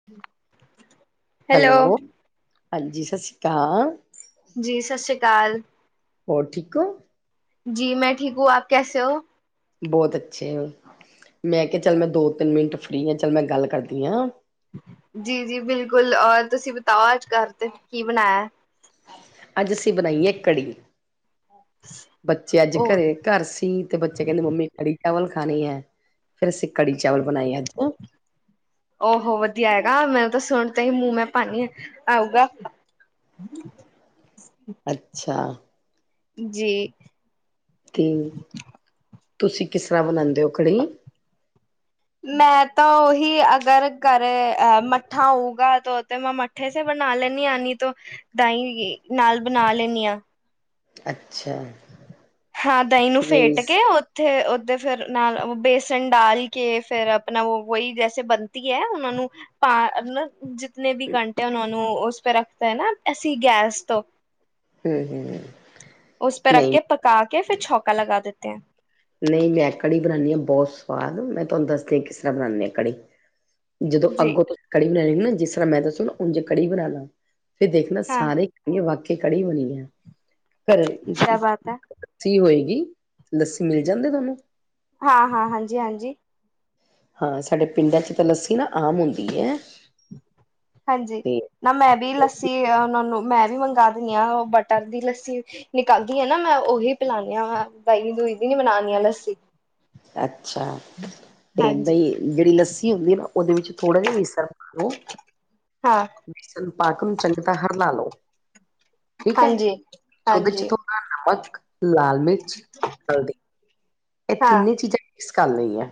[inaudible] Hello ਹਾਂਜੀ ਸਸੀਕਾਲ। ਜੀ ਸਸੀਕਾਲ। ਹੋਰ ਠੀਕ ਹੋ? ਜੀ ਮੈਂ ਠੀਕ ਹੂ ਆਪ ਕੈਸੇ ਹੋ? ਬਹੁਤ ਅੱਛੇ, ਮੈਂ ਕਿਹਾ ਚੱਲ ਮੈਂ ਦੋ- ਤਿੰਨ ਮਿੰਟ ਫ੍ਰਰੀ ਆ, ਚੱਲ ਮੈਂ ਗੱਲ ਕਰਦੀ ਆ। ਜੀ-ਜੀ ਬਿਲਕੁਲ ਔਰ ਤੁਸੀਂ ਬਤਾਓ ਅੱਜ ਘਰ ਤੇ ਕੀ ਬਣਾਇਆ? ਅੱਜ ਅਸੀਂ ਬਣਾਈਏ ਕੜੀ, ਬੱਚੇ ਅੱਜ ਉਹ ਘਰੇ ਘਰ ਸੀ, ਤੇ ਬੱਚੇ ਕਹਿੰਦੇ ਮੰਮੀ ਕੜੀ ਚਾਵਲ ਖਾਣੀ ਐ, ਫੇਰ ਅਸੀਂ ਕੜੀ ਚਾਵਲ ਬਣਾਈ ਅੱਜ ਉਹੋ ਵਧੀਆ ਹੈਗਾ, ਮੈਨੂੰ ਤਾਂ ਸੁਣ ਤੇ ਈ ਮੂੰਹ ਮੈਂ ਪਾਣੀ ਆਊਗਾ [inaudible] ਅੱਛਾ। ਜੀ। ਤੇ ਤੁਸੀਂ ਕਿਸ ਤਰ੍ਹਾਂ ਬਣਾਉਂਦੇ ਹੋ ਕੜੀ? ਮੈਂ ਤਾਂ ਉਹੀ ਅਗਰ ਘਰੇ ਅ ਮੱਠਾ ਹੋਊਗਾ ਤੇ ਮੈਂ ਮੱ ਵੈਸੇ ਬਣਾ ਲੈਂਦੀ ਆ ਨਹੀਂ ਤੋਂ ਦਾਈ ਨਾਲ ਬਣਾ ਲੈਂਦੀ ਆ। ਅੱਛਾ। ਹਾਂ ਦਹੀਂ ਨੂੰ ਨਹੀਂ ਫੇਟ ਕੇ ਉਥੇ ਓਦੇ ਫਿਰ ਨਾਲ ਬੇਸਨ ਡਾਲ ਕੇ ਫੇਰ ਆਪਣਾ ਵੋਹੀ ਜੈਸੇ ਬਣਤੀ ਐ ਉਹਨਾਂ ਨੂੰ ਪਾ ਜਿਤਨੇ ਵੀ ਘੰਟੇ ਉਹਨਾਂ ਨੂੰ ਉਸ ਪੇ ਰੱਖਤੇ ਏ ਨਾ ਅਸੀਂ ਗੈਸ ਤੋਂ ਹਮ-ਹਮ-ਹਮ। ਉਸਪੇ ਰੱਖ ਕੇ ਪਕਾ ਕੇ ਫਿਰ ਛੌਕਾ ਲਗਾ ਦੇਤੇ ਐ। ਨਹੀਂ ਮੈਂ ਕੜੀ ਬਣਾਦੀ ਆ ਬਹੁਤ ਸਵਾਦ, ਮੈਂ ਤੁਹਾਨੂੰ ਦੱਸਦੀ ਆ ਕਿਸ ਤਰ੍ਹਾਂ ਬਣਾਦੀ ਆ ਕੜੀ ਜਦੋਂ ਅੱਗੋਂ ਕੜੀ ਬਣਾਏਗੀ ਨਾ ਜਿਸ ਤਰ੍ਹਾਂ ਮੈਂ ਦੱਸੂ ਉਝ ਕੜੀ ਬਣਾ ਲਾਂ ਫਿਰ ਦੇਖਣਾ ਸਾਰੇ ਇਹ ਵਾਕੇ ਕੜੀ ਬਣੀ ਆ ਫ ਲੱਸੀ ਹੋਏਗੀ, ਲੱਸੀ ਮਿਲ ਜਾਂਦੀ ਤੁਹਾਨੂੰ? ਹਾਂ-ਹਾਂ, ਹਾਂਜੀ-ਹਾਂਜੀ। ਹਾਂ ਸਾਡੇ ਪਿੰਡਾਂ 'ਚ ਤਾਂ ਲੱਸੀ ਨਾ ਆਮ ਹੁੰਦੀ ਐ। ਹਾਂਜੀ, ਨਾ ਮੈਂ ਵੀ ਲੱਸੀ ਉਹਨਾਂ ਨੂੰ ਮੈਂ ਵੀ ਮੰਗਵਾ ਦਿੰਦੀ ਹਾਂ ਉਹ ਬਟਰ ਦੀ ਲੱਸੀ ਨਿਕਾਲ ਦੀ ਆ ਨਾ ਮੈਂ ਉਹੀ ਪਿਲਾਨੀ ਦਹੀਂ- ਦੂਈ ਦੀ ਨ ਬਣਾਣੀ ਆ ਲੱਸੀ। ਅੱਛਾ ਤੇ ਏਦਾ ਹਾਂਜੀ ਈ ਜਿਹੜੀ ਲੱਸੀ ਹੁੰਦੀ ਐ ਨਾ ਉਹਦੇ ਵਿੱਚ ਥੋੜਾ ਜਿਹਾ ਬੇਸਨ ਹਾਂ। ਬੇਸਨ ਪਾਕ ਨੂੰ ਉਹਨੂੰ ਚੰਗੀ ਤਾਂ ਹਰਲਾ ਲੋ ਠੀਕ ਐ ਹਾਂਜੀ ਉਹਦੇ ਚ ਹਾਂਜੀ ਨਮਕ, ਲਾਲ ਮਿਰਚ, ਹਲਦੀ, ਇਹ ਹਾਂ ਤਿੰਨੇ ਚੀਜ਼ਾਂ ਮਿਕਸ ਕਰ ਲਈਆਂ।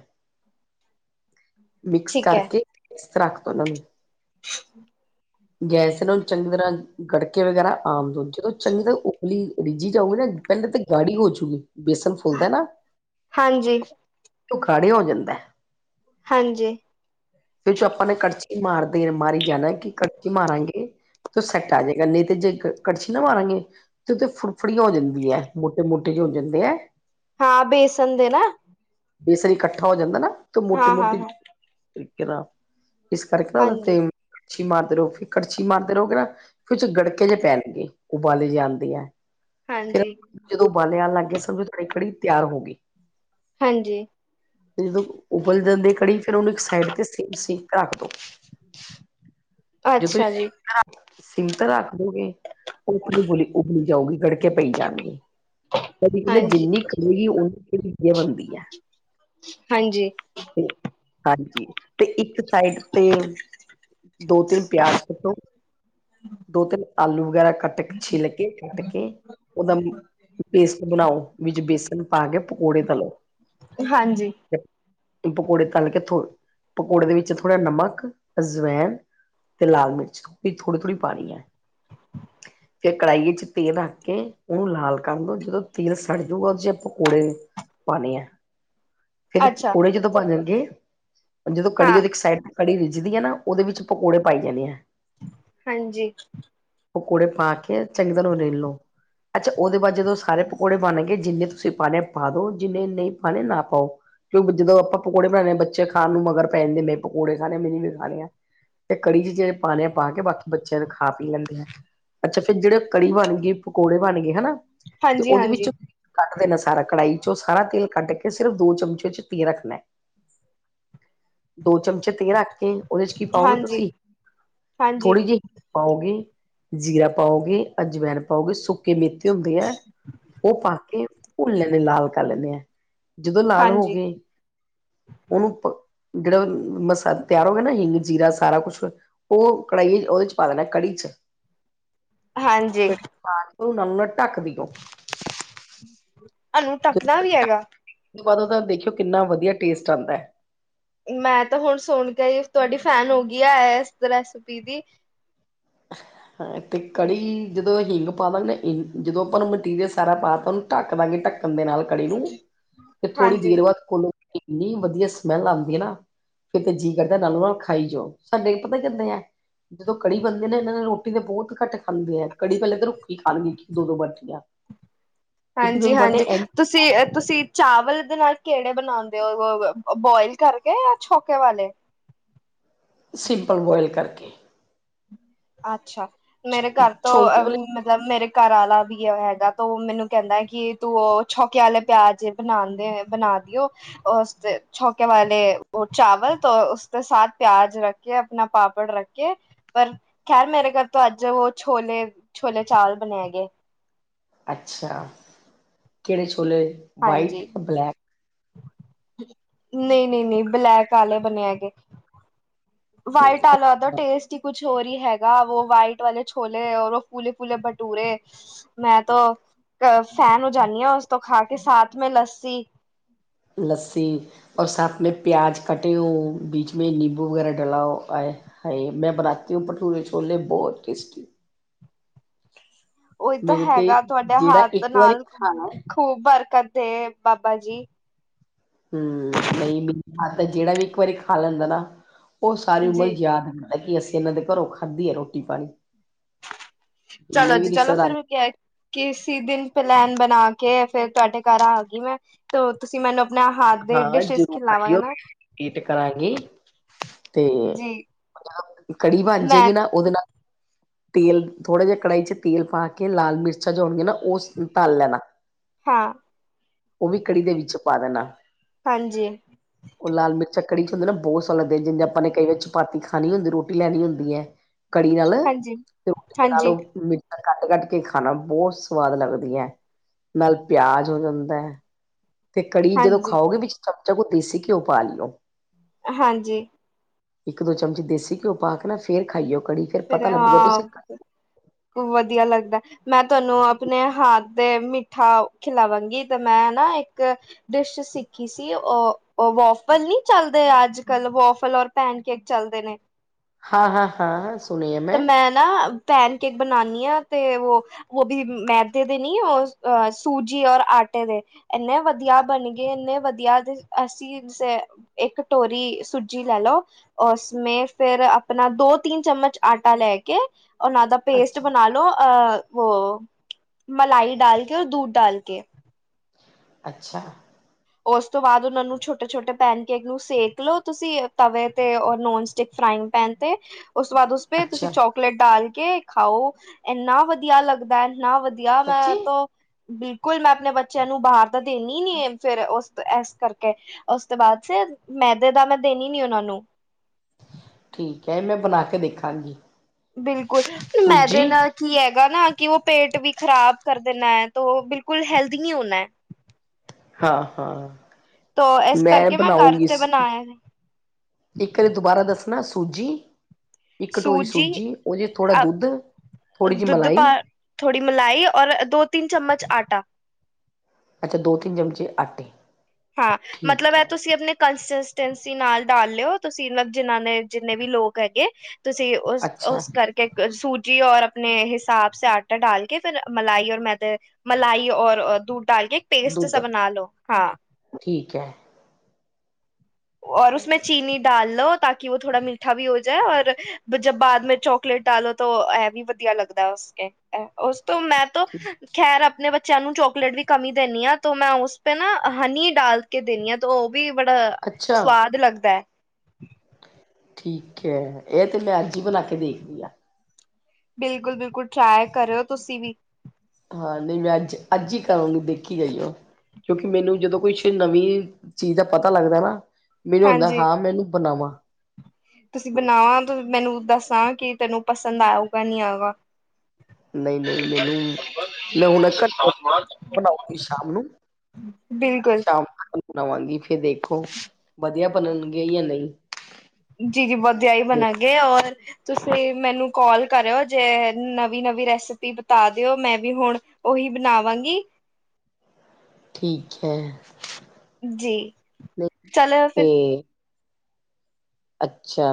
ਮਿਕਸ ਠੀਕ ਹੈ ਕਰਕੇ ਇਸ ਤਰ ਰੱਖ ਦੋ ਉਹਨਾਂ ਨੂੰ [inaudible] ਗੈਸ ਇਹਨਾਂ ਨੂੰ ਚੰਗੀ ਤਰ੍ਹਾਂ ਗੜਕੇ ਵਗੈਰਾ ਆਮ ਚੰਗੀ ਤਰ ਉਬਲੀ ਰਿੱਝੀ ਜਾਊਗੀ ਨਾ ਪਹਿਲੇ ਤੇ ਗਾੜੀ ਹੋਜੂਗੀ ਬੇਸਣ ਫੁੱਲਦਾ ਨਾ, ਹਾਂਜੀ ਖਾੜੇ ਹੋ ਜਾਂਦਾ ਐ। ਹਾਂਜੀ। ਫਿਰ ਜੋ ਆਪਾਂ ਨੇ ਕੜਛੀ ਮਾਰਦੇ ਮਾਰੀ ਜਾਣਾ ਕਿ ਕੜਛੀ ਮਾਰਾਂਗੇ ਤ ਸੈੱਟ ਆ ਜਾਏਗਾ, ਨਹੀਂ ਤੇ ਜੇ ਕੜਛੀ ਨਾ ਮਾਰਾਂਗੇ ਤੇ ਉਹਤੇ ਫੁੜਫੜੀਆ ਹੋ ਜਾਂਦੀ ਐ ਮੋਟੇ ਮੋਟੇ ਜਿਹੇ ਹੋ ਜਾਂਦੇ ਐ। ਹਾਂ ਬੇਸਨ ਦੇ ਨਾ ਬੇਸਣ ਇਕੱਠਾ ਹੋ ਜਾਂਦਾ ਨਾ ਤੇ ਹਾਂ ਹਾਂ ਮੋਟੀ-ਮੋਟੀ ਜੀ ਕਰਕੇ ਨਾ ਇਸ ਕਰਕੇ ਨਾ ਹਾਂ ਉਹਦੇ ਤੇ ਹਾਂਜੀ ਕੜਛੀ ਮਾਰਦੇ ਰਹੋ ਫ ਕੜਛੀ ਮਾਰਦੇ ਰਹੋਗੇ ਨਾ ਫਿਰ ਚ ਗੜਕੇ ਜੇ ਪੈਣਗੇ, ਉਬਾਲੀ ਜਾਂਦੀ ਐ। ਹਾਂਜੀ। ਜਦੋਂ ਬਾਲੇ ਆਣ ਲੱਗ ਗਏ ਸਮਝ ਤੇਰੀ ਕੜੀ ਤਿਆਰ ਹੋ ਗਈ। ਹਾਂਜੀ। ਜਦੋਂ ਉਬਲ ਜਾਂਦੀ ਕੜੀ ਫੇਰ ਉਹਨ ਸਾਈਡ ਸੀ ਰੱਖ ਦੋ [unintelligible] ਜੇ ਅੱਛਾ ਤੁਸੀਂ ਜੀ ਸਟੀਮ ਤੇ ਰੱਖ ਦੋਗੇ ਉਹ ਉਬਲੀ ਉਬਲੀ ਜਾਊਗੀ ਗੜਕ ਕੇ ਪਈ ਜਾਣਗੇ [inaudible] ਕਦੀ ਕਹਲੇ ਹਾਂਜੀ ਜਿੰਨੀ ਖੇਗੀ ਉਨੀ ਵਧੀਆ ਬਣਦੀ ਐ। ਹਾਂਜੀ। ਤੇ ਹਾਂਜੀ ਤੇ ਇੱਕ ਸਾਈਡ ਤੇ ਦੋ- ਤਿੰਨ ਪਿਆਜ਼ ਕੱਟੋ ਦੋ ਤਿੰਨ ਆਲੂ ਵਗੈਰਾ ਕੱਟ ਕੇ ਛਿੱਲ ਕੇ ਕੱਟ ਕੇ ਉਹਦਾ ਪੇਸਟ ਬਣਾਓ ਵਿੱਚ ਬੇਸਨ ਪਾ ਕੇ ਪਕੌੜੇ ਤਲੋ। ਹਾਂਜੀ। ਪਕੌੜੇ ਤਲ ਕੇ ਥੋ ਪਕੌੜੇ ਦੇ ਵਿੱਚ ਥੋੜ੍ਹਾ ਨਮਕ, ਅਜਵੈਣ ਫਿਰ ਲਾਲ ਮਿਰਚ ਵੀ ਥੋੜ੍ਹੀ-ਥੋੜੀ ਪਾਣੀ ਐਂ ਫਿਰ ਕੜਾਈਏ ਚ ਤੇਲ ਰੱਖ ਕੇ ਉਹਨੂੰ ਲਾਲ ਕਰਨ ਲੋ ਜਦੋਂ ਤੇਲ ਸੜ ਜਊਗਾ ਉਹ ਦੇ ਪਕੌੜੇ ਪਾਉਣੇ ਆ ਫਿਰ ਅੱਛਾ ਪਕੌੜੇ ਜਦੋਂ ਬਣ ਜਾਣਗੇ, ਜਦੋਂ ਕੜੀ ਹਾਂ ਉਹਦੀ ਇੱਕ ਸਾਈਡ ਕੜੀ ਰਿੱਝਦੀ ਆ ਨਾ ਉਹਦੇ ਵਿੱਚ ਪਕੌੜੇ ਪਾਈ ਜਾਂਣੇ ਐ। ਹਾਂਜੀ ਪਕੌੜੇ ਪਾ ਕੇ ਚੰਗੀ ਤਰ੍ਹਾਂ ਉਹਨੂੰ ਰਿੰਨ ਲੋ। ਅੱਛਾ ਉਹਦੇ ਬਾਅਦ ਜਦੋਂ ਸਾਰੇ ਪਕੌੜੇ ਬਣਗੇ ਜਿੰਨੇ ਤੁਸੀਂ ਪਾਉਣੇ ਪਾ ਦਿਓ ਜਿੰਨੇ ਨਹੀਂ ਪਾਉਣੇ ਨਾ ਪਾਓ। ਕਿਉਂਕ ਜਦੋਂ ਆਪਾਂ ਪਕੌੜੇ ਬਣਾਉਣੇ ਆ ਬੱਚੇ ਖਾਣ ਨੂੰ ਮਗਰ ਪੈ ਜਾਂਦੇ ਮੈਂ ਪਕੌੜੇ ਖਾਣੇ ਮੈਨੇ ਵੀ ਖਾਣੇ ਆ। ਤੇ ਕੜੀ ਚ ਜਿਹੜੇ ਪਾਣੇ ਪਾ ਕੇ ਬਾਕੀ ਬੱਚਿਆਂ ਨੂੰ ਖਾ ਪੀ ਲੈਂਦੇ ਆ। ਅੱਛਾ ਫਿਰ ਜਿਹੜੇ ਕੜੀ ਬਣ ਗਈ ਪਕੌੜੇ ਬਣ ਗਏ, ਹਨਾ। ਤੇ ਹਾਂਜੀ ਉਹਦੇ ਹਾਂਜੀ ਵਿੱਚੋਂ ਕੱਢ ਦੇਣਾ ਸਾਰਾ ਕੜਾਹੀ ਚ ਉਹ ਸਾਰਾ ਤੇਲ ਕੱਢ ਕੇ ਸਿਰਫ ਦੋ ਚਮਚੇ ਚ ਤੇ ਰੱਖਣਾ ਦੋ ਚਮਚੇ ਤੇਲ ਰੱਖ ਕੇ ਉਹਦੇ ਚ ਕੀ ਪਾਓਗੇ ਹਾਂਜੀ ਤੁਸੀਂ ਹਾਂਜੀ ਥੋੜ੍ਹੀ ਜਿਹੀ ਪਾਓਗੇ ਜ਼ੀਰਾ ਪਾਓਗੇ, ਅਜਵੈਣ ਪਾਓਗੇ, ਸੁੱਕੇ ਮੇਥੀ ਹੁੰਦੀ ਹੈ [inaudible] ਉਹ ਪਾ ਕੇ ਭੁੰਨ ਲੈਂਦੇ ਲਾਲ ਕਰ ਲੈਣੇਆ ਜਦੋਂ ਲਾਲ ਹੋ ਹਾਂਜੀ ਗਏ ਉਹਨੂੰ ਜਿਹੜਾ ਮਸ ਤਿਆਰ ਹੋ ਗਿਆ ਨਾ ਹਿੰਗ, ਜੀਰਾ ਸਾਰਾ ਕੁਛ ਉਹ ਕੜਾਈਏ ਉਹਦੇ ਚ ਪਾ ਦੇਣਾ ਕੜੀ ਚ ਹਾਂਜੀ [unintelligible] ਢੱਕ ਦਿਓ। ਇਹਨੂੰ ਢੱਕਣਾ ਵੀ ਜਦੋਂ ਹੈਗਾ? [unintelligible] ਦੇਖਿਓ ਕਿੰਨਾ ਵਧੀਆ ਟੇਸਟ ਆਉਂਦਾ ਐ। ਮੈਂ ਤਾਂ ਹੁਣ ਸੁਣ ਕੇ ਤੁਹਾਡੀ ਫੈਨ ਹੋ ਗਈ ਆ ਇਸ ਰੈਸਿਪੀ ਦੀ ਹਾਂ, ਤੇ ਕੜੀ ਜਦੋਂ ਹਿੰਗ ਪਾ ਦਾਂਗੇ ਨਾ ਜਦੋਂ ਆਪਾਂ ਨੂੰ ਮਟੀਰੀਅਲ ਸਾਰਾ ਪਾ ਤਾ ਉਹਨੂੰ ਢੱਕ ਦਾਂਗੇ ਢੱਕਣ ਦੇ ਨਾਲ ਕੜੀ ਨੂੰ ਤੇ ਥੋੜ੍ਹੀ ਹਾਂਜੀ ਦੇਰ ਬਾਅਦ ਖੋਲੋ ਇੰਨੀ ਵਧੀਆ ਸਮੈੱਲ ਆਂਦੀ ਏ ਨਾ ਫਿਰ ਤੇ ਜੀਅ ਕਰਦਾ ਨਾਲੋਂ-ਨਾਲ ਖਾਈ ਜਾਓ ਸਾਡੇ ਪਤਾ ਕਿੰਨੇ ਆ, ਜਦੋਂ ਕੜੀ ਬੰਦੇ ਨਾ ਇਹਨਾਂ ਨਾਲ ਰੋਟੀ ਬਹੁਤ ਘੱਟ ਖਾਂਦੇ ਆ ਕੜੀ ਪਹਿਲੇ ਤਾਂ ਰੁੱਖੀ ਖਾਣਗੇ ਦੋ-ਦੋ ਬਾਟੀਆਂ [inaudible] ਦੋ ਹਾਂਜੀ-ਹਾਂਜੀ ਬਾਟੀਆਂ ਇੰਝ ਤੁਸੀਂ-ਤੁਸੀਂ ਚਾਵਲੲ ਇਹ ਦੇ ਨਾਲ ਕਿਹੜੇ ਬਣਾਉਂਦੇ ਹੋ ਬੋਇਲ ਕਰਕੇ ਜਾਂ ਛੋਕੇ ਵਾਲੇ? ਸਿੰਪਲ ਬੋਆਇਲ ਕਰਕੇ। ਅੱਛਾ, ਮੇਰੇ ਘਰ ਤੋਂ ਛੋਂਕੇ ਅਮ ਵਾਲੇ ਮਤਲਬ, ਮੇਰੇ ਘਰ ਆ ਵੀ ਹੈਗਾ ਤਾਂ ਉਹ ਮੈਨੂੰ ਕਹਿੰਦਾ ਕਿ ਤੂੰ ਉਹ ਛੌਕੇ ਆਲੇ ਪਿਆਜ ਬਣਾਂਦੇ ਬਣਾ ਦਿਓ। ਉਸ ਤੇ ਛੌਕੇ ਵਾਲੇ ਚਾਵਲ ਤੋਂ ਉਸ ਸੇ ਸਾਥ ਪਿਆਜ ਰੱਖ ਕੇ ਆਪਣਾ ਪਾਪੜ ਰੱਖ ਕੇ ਪਰ ਖੈਰ ਮੇਰੇ ਘਰ ਤੋਂ ਅੱਜ ਉਹ ਛੋਲੇ- ਛੋਲੇ ਚਾਵਲ ਬਣੇ ਹੈ ਗਏ। ਅੱਛਾ! ਕਿਹੜੇ ਛੋਲੇ ਵਾਈਟ ਜਾਂ ਬਲੈਕ? ਨਹੀਂ-ਨਹੀਂ-ਨਹੀਂ ਬਲੈਕ ਆਲੇ ਬਣੇ ਹੈਗੇ। ਵਾਈਟ ਆਲਿਆ ਦਾ ਟੇਸਟ ਈ ਕੁਛ ਹੋਰੀ ਹੈਗਾ ਵੋ ਵਾਈਟ ਵਾਲੇ ਛੋਲੇ ਔਰ ਵੋ ਫੂਲੇ-ਫੂਲੇ ਬਟੂਰੇ। ਮੈਂ ਤੋਂ ਫੈਨ ਹੋ ਜਾਨੀ ਆਂ ਉਸ ਤੋਂ ਖਾ ਕੇ ਸਾਥ ਮੈਂ ਲੱਸੀ। ਲੱਸੀ ਫਿਰ ਸਾਥ ਮੈਂ ਪਿਆਜ਼ ਕੱਟੇ ਓ, ਬੀਚ ਮੈਂ ਨਿੰਬੂ ਵਗੈਰਾ ਡਲਾ ਓ ਆਏ- ਹਾਏ, ਮੈਂ ਬਣਾਤੀ ਹੂੰ ਭਠੂਰੇ-ਛੋਲੇ ਬਹੁਤ ਟੇਸਟੀ। ਉਹੀ ਤਾਂ ਮੇਰੇ ਤੇ ਹੈਗਾ ਤੁਹਾਡੇ ਜਿਹੜਾ ਹੱਥ ਇੱਕ ਵਾਰੀ ਨਾਲ ਖਾਣਾ ਖ-ਖੂਬ ਬਰਕਤ ਏ ਬਾਬਾ ਜੀ। ਹਮ, ਨਹੀਂ ਮੈਨੂੰ ਹੱਥ ਜਿਹੜਾ ਵੀ ਇੱਕ ਵਾਰੀ ਖਾ ਲੈਂਦਾ ਨਾ ਉਹ ਸਾਰੀ ਉਮਰ ਜੀ ਯਾਦ ਅਸੀਂ ਇਹਨਾਂ ਦੇ ਘਰੋਂ ਖਾਧੀ ਆ ਰੋਟੀ-ਪਾਣੀ। ਚੱਲ ਅੱਜ ਚੱਲ ਰਿਸ਼ਤੇਦਾਰ ਫਿਰ ਹੋ ਕਿਹਾ ਕਿਸੀ ਦਿਨ ਪਲੈਨ ਬਣਾ ਕੇ ਫੇਰ ਤੁਹਾਡੇ ਘਰ ਆ ਗਈ ਮੈਂ। ਤੇ ਉਦੋਂ ਤੁਸੀਂ ਮੈਨੂੰ ਆਪਣੇ ਹੱਥ ਆਂਦੇ ਦੇ ਹਾਂ ਡਿਸ਼ਿਸ ਜ਼ਰੂਰ ਖਲਾਵਾਂਗੇ ਆਇਓ ਨਾ ਵੇਟ ਕਰਾਂਗੇ [inaudible] ਤੇ ਜੀ [inaudible] ਕੜ੍ਹੀ ਮੈਂ ਜਾਏਗੀ ਨਾ ਉਹਦੇ ਨਾਲ ਤੇਲ ਥੋੜ੍ਹਾ ਜੇਆ ਕੜਾਹੀ 'ਚ' ਤੇਲ ਪਾ ਕੇ ਲਾਲ ਮਿਰਚਾਂ ਜੋ ਹੋਣਗੀਆਂ ਨਾ ਓਸ ਤਲ ਲੈਣਾ। ਹਾਂ ਉਹ ਵੀ ਕੜ੍ਹੀ ਦੇ ਵਿੱਚ ਪਾ ਦੇਣਾ। ਹਾਂਜੀ। ਉਹ ਲਾਲ ਮਿਰਚਾਂ ਕੜ੍ਹੀ 'ਚ' ਹੁੰਦੇ ਨਾ ਬਹੁਤ ਸਵਾਦ ਲੱਗਦੇ ਜਿੰਦੇ ਆਪਾਂ ਨੇ ਕਈ ਵਾਰ ਚਪਾਤੀ ਖਾਣੀ ਹੁੰਦੀ ਐ ਰੋਟੀ ਲੈਣੀ ਹੁੰਦੀ ਐ। ਕੜ੍ਹੀ ਨਾਲ ਹਾਂਜੀ ਤੇ ਰੋਟੀ ਦੇ ਨਾਲ ਹਾਂਜੀ ਉਹ ਮਿ ਕੱਟ-ਕੱਟ ਕੇ ਖਾਣਾ ਬਹੁਤ ਸੁਆਦ ਲੱਗਦੀ ਐ ਨਾਲ ਪਿਆਜ ਹੋ ਜਾਂਦਾ। ਤੇ ਕੜ੍ਹੀ ਜਦੋਂ ਹਾਂਜੀ ਖਾਓਗੇ ਵਿੱਚ ਚਮਚਾ ਕੁ ਦੇਸੀ ਘਿਓ ਪਾ ਲਓ। ਹਾਂਜੀ। ਇੱਕ-ਦੋ ਚਮਚੀ ਦੇਸੀ ਘਿਓ ਪਾ ਕੇ ਨਾ ਫਿਰ ਖਾਈਓ ਕੜ੍ਹੀ। ਫਿਰ ਹਾਂ, ਵਧੀਆ ਲੱਗਦਾ। ਮੈਂ ਤੁਹਾਨੂੰ ਆਪਣੇ ਹਾੱਥ ਦੇ ਮਿੱਠਾ ਖਿਲਾਵਾਂਗੀ ਤੇ ਮੈਂ ਨਾ ਇੱਕ ਡਿੱਸ਼ ਸਿੱਖੀ ਸੀ ਅਅ ਵੋਫਲ ਨੀ ਚੱਲਦੇ ਅੱਜ-ਕੱਲ੍ਹ ਵੋਫਲ ਔਰ ਪੈਨ ਕੇਕ ਚੱਲਦੇ ਨੇ। ਹਾਂ-ਹਾਂ-ਹਾਂ। ਤੇ ਮੈਂ ਨਾ ਪੈਨ ਕੇਕ ਬਣਾਨੀ ਆਂ ਤੇ ਉਹ ਉਹ ਵੀ ਮੈਦੇ ਦੇ ਨੀ ਉਹ ਅਹ ਸੂਜੀ ਔਰ ਆਟੇ ਦੇ। ਇੰਨੇ ਵਧੀਆ ਬਣ ਗਏ ਇੰਨੇ ਵਧੀਆ ਤੁ ਅਸੀਂ ਸ ਇੱਕ ਟੋਰੀ ਸੂਜੀ ਲੈ ਲੋੋ। ਉਸ ਮੇ ਫਿਰ ਆਪਣਾ ਦੋ- ਤੀਨ ਚੱਮਚ ਆਟਾ ਲੈ ਕੇ ਉਹਨਾਂ ਦਾ ਪੇਸਟ ਅੱਛਾ ਬਣਾ ਲੋ ਅਅ ਵੋ ਮਲਾਈ ਡਾਲ ਕੇ ਔਰ ਦੂਧ ਡਾਲ ਕੇ। ਅੱਛਾ। ਉਸ ਤੋਂ ਬਾਅਦ ਉਹਨਾਂ ਨੂੰ ਛੋਟੇ-ਛੋਟੇ ਪੈਨਕੇਕ ਨੂੰ ਸੇਕ ਲਓ ਤੁਸੀਂ ਤਵੇ ਤੇ ਔਰ ਨੋਨ ਸਟਿੱਕ ਫਰਾਇੰਗ ਪੈਨ ਤੇ ਉਸ ਤੋਂ ਬਾਅਦ ਉਸ ਫਿਰ ਤੁਸੀਂ ਅੱਛਾ ਚੋਕਲੇਟ ਡਾਲ ਕੇ ਖਾਓ, ਇੰਨਾ ਵਧੀਆ ਲੱਗਦਾ, ਇੰਨਾ ਵਧੀ ਆ ਮੈਂ ਸੱਚੀ ਤੋ, ਬਿਲਕੁਲ ਮੈਂ ਆਪਣੇ ਬੱਚਿਆਂ ਨੂੰ ਬਾਹਰ ਦਾ ਦੇਂਨੀ ਨਈਂ। ਫਿਰ ਉਸ ਐਸ ਕਰਕੇ ਉਸ ਤੋਂ ਬਾਅਦ ਫਿਰ ਮੈਦੇ ਦਾ ਮੈਂ ਦੇਂਨੀ ਨੀ ਉਹਨਾਂ ਨੂੰ। ਠੀਕ ਐ, ਇਹ ਮੈਂ ਬਣਾ ਕੇ ਦੇਖਾਂਗੀ। ਬਿਲਕੁਲ, ਸੂਜੀ ਮੈਦੇ ਨਾਲ ਕੀ ਹੈਗਾ ਨਾ ਕਿ ਉਹ ਪੇਟ ਵੀ ਖ਼ਰਾਬ ਕਰ ਦਿੰਨਾ ਤੋ ਬਿਲਕੁਲ ਹੈਲਦੀ ਨਹੀਂ ਹੋਨਾਂ। ਹਾਂ -ਹਾਂ, ਤੋ ਇਸ ਮੈਂ ਕਰਕੇ ਘਰ ਬਣਾਉਂਗੀ ਤੇ ਸ ਬਣਾਇਆ ਹੈ। ਇੱਕ ਆਰੀ ਦੁਬਾਰਾ ਦੱਸਣਾ ਸੂਜੀ ਇੱਕ ਕਟੋਰੀ ਸੂਜੀ, ਉਹਦੇ 'ਚ ਥੋੜ੍ਹਾ ਦੁੱਧ, ਥੋੜ੍ਹੀ ਜੀ ਮਲਾਈ। ਥੋੜੀ ਮਲਾਈ ਔਰ ਦੋ- ਤਿੰਨ ਚਮਚ ਆਟਾ। ਅੱਛਾ, ਦੋ -ਤਿੰਨ ਚਮਚੇ ਆਟੇ। ਹਾਂ, ਮਤਲਬ ਠੀਕ ਇਹ ਹੈ ਤੁਸੀਂ ਆਪਣੇ ਕਲਸਸ ਨਾਲ ਡਾਲ ਲਿਓ, ਤੁਸੀਂ ਜਿਨਾਂ ਦੇ ਜਿੰਨੇ ਵੀ ਲੋਕ ਹੈਗੇ ਤੁਸੀਂ ਅੱਛਾ ਉਸ-ਉਸ ਕਰਕੇ ਸੂਜੀ ਔਰ ਆਪਣੇ ਹਿਸਾਬ ਸੇ ਆਟਾ ਡਾਲ ਕੇ ਫਿਰ ਮਲਾਈ ਔਰ ਮੈਦੇ ਮਲਾਈ ਔ ਦੂਧ ਡਾਲ ਕੇ ਇੱਕ ਪੇਸਟ ਦੁੱਧ ਸਾ ਬਣਾ ਲੋ ਹਾਂ। ਠੀਕ ਹੈ। ਔਰ ਉਸ ਮੇ ਚੀਨੀ ਡਾਲ ਲੋੋ ਤਾਂਕਿ ਉਹ ਥੋੜਾ ਮੀਠਾ ਵੀ ਹੋ ਜਾਏ ਔਰ ਜਬ ਬਾਅਦ ਮੇ ਚੌਕ ਚਕਲੇਟ ਡਾਲੋ ਤੋ ਇਹ ਵੀ ਵਧੀਆ ਲੱਗਦਾ ਉਸਕੇ ਉਸ ਤੋਂ ਮੈਂ ਤਾਂ ਠੀ ਖੈਰ ਆਪਣੇ ਬੱ ਚਿਆਂ ਨੂੰ ਚੋਕਲੇਟ ਵੀ ਕਮੀ ਦੇਨੀ ਆਂ ਤੋ ਮੈਂ ਉਸ ਪੇ ਨਾ ਹਨੀ ਡਾਲ ਕੇ ਦੇਂਨੀ ਹਾਂ ਤੇ ਉਹ ਵੀ ਬੜਾ ਅੱਛਾ ਸਵਾਦ ਲੱਗਦਾ ਹੈ। ਠੀਕ ਹੈ, ਇਹ ਤੇ ਮੈਂ ਅੱਜ ਹੀ ਬਣਾ ਕੇ ਦੇਖਦੀ ਆਂ। ਬਿਲਕੁਲ-ਬਿਲਕੁਲ ਟਰਾਈ ਕਰਿਓ ਤੁਸੀਂ ਵੀ। ਹਾਂ, ਨਹੀਂ ਮੈਂ ਅੱਜ, ਅੱਜ ਹੀ ਕਰਾਂਗੀ ਦੇਖੀ ਜਾਈਓ ਕਿਉਂਕਿ ਮੈਨੂੰ ਜਦੋਂ ਕੁਛ ਨਵੀਂ ਚੀਜ਼ ਦਾ ਪਤਾ ਲੱਗਦਾ ਨਾ ਮੈਨੂੰ ਆਉਦਾ ਹਾਂਜੀ ਹਾਂ ਮੈਂ ਇਹਨੂੰ ਬਣਾਵਾਂ। ਤੁਸੀਂ ਬਣਾਵਾਂ ਮੈਨੂੰ ਦੱਸਾਂ ਕਿ ਤੈਨੂੰ ਪਸੰਦ ਆਊਗਾ ਨਹੀਂ ਆਊਗਾ। ਨਹੀਂ-ਨਹੀਂ ਮੈਨੂੰ ਮੈਂ ਹੁਣ ਘੰਟੇ ਤੱਕ ਬਣਾਉਗੀ ਸ਼ਾਮ ਨੂੰ ਬਿਲਕੁਲ ਸ਼ਾਮ ਨੂੰ ਬਣ ਆਵਾਂਗੀ ਫਿਰ ਦੇਖੋ ਵਧੀਆ ਬਣਨਗੇ ਜਾਂ ਨਹੀਂ। ਜੀ-ਜੀ ਵਧੀਆ ਹੀ ਬਣਾ ਗੇ ਔਰ ਤੁਸੀਂ ਮੈਨੂੰ ਕਾਲ ਕਰਿਓ ਜੇ ਨਵੀਂ-ਨਵੀਂ ਰੈਸਪੀ ਬਿਤਾ ਦਿਓ ਮੈਂ ਵੀ ਹੁਣ ਉਹੀ ਬਣਾਵਾਂ ਗੀ। ਠੀਕ ਹੈ ਜੀ ਨਹੀਂ ਚਲੋ 'ਤੇ ਫਿਰ ਅੱਛਾ,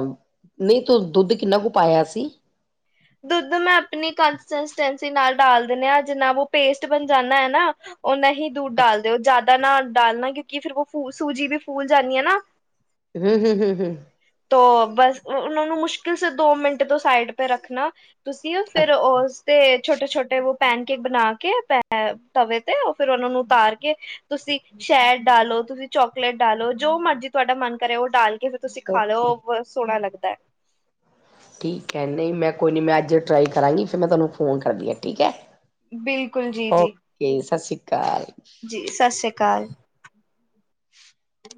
ਨਹੀਂ ਤੂੰ ਦੁੱਧ ਕਿੰਨਾ ਕੁ ਪਾਇਆ ਸੀ? ਦੁੱਧ ਮੈਂ ਆਪਣੀ ਕੰਸਿਸਟੈਂਸੀ ਨਾਲ ਡਾਲ ਦਿੰਨਾ ਹਾਂ ਜਿੰਨਾ ਵੋ ਪੇਸਟ ਬਣ ਜਾਂਨਾ ਹੈ ਨਾ ਉਹਨਾਂ ਹੀ ਦੂਧ ਡਾਲ ਅੱਛਾ ਦਿਓ ਜ਼ਿਆਦਾ ਨਾ ਡਾਲਣਾ ਕਿਉਂਕਿ ਫਿਰ ਉਹ ਫੂ ਸੂਜੀ ਵੀ ਫੂਲ ਜਾਂਦੀ ਆ ਨਾ। ਹਮ-ਹਮ, ਹਮ-ਹਮ। ਤੋ ਬਸ ਉਹਨਾਂ ਨੂੰ ਮੁਸ਼ਕਿਲ ਸੇ ਦੋ ਮਿੰਟ ਤੋਂ ਸਾਈਡ ਪੇ ਰੱਖਣਾ ਤੁਸੀਂ ਫਿਰ ਅੱਛਾ ਉਸਤੇ ਛੋਟੇ-ਛੋਟੇ ਵੋ ਪੈਨ ਕੇਕ ਬਣਾ ਕੇ ਪ ਤਵੇ 'ਤੇ ਉਹ ਫਿਰ ਉਹਨਾਂ ਨੂੰ ਉਤਾਰ ਕੇ ਤੁਸੀਂ ਸ਼ਹਿਦ ਡਾਲੋ, ਤੁਸੀਂ ਚੋਕਲੇਟ ਡਾਲੋ, ਜੋ ਮਰਜ਼ੀ ਤੁਹਾਡਾ ਮਨ ਕਰੇ ਉਹ ਡਾਲ ਕੇ ਫਿਰ ਤੁਸੀਂ ਖਾ ਓਕੇ ਲਓ ਸੋਹਣਾ ਲੱਗਦਾ ਹੈ। ਠੀਕ ਹੈ, ਨਹੀਂ ਮੈਂ ਕੋਈ ਨਹੀਂ ਮੈਂ ਅੱਜ ਟਰਾਈ ਕਰਾਂਗੀ ਫਿਰ ਮੈਂ ਤੁਹਾਨੂੰ ਫੋਨ ਕਰਦੀ ਹਾਂ ਠੀਕ ਹੈ। ਬਿਲਕੁਲ, ਜੀ-ਜੀ। ਤੇ ਸਸ੍ਰੀ ਕਾਲ। ਜੀ ਸਸ਼੍ਰੀ ਕਾਲ। [inaudible]